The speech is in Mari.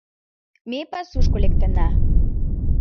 Ме пасушко лектына;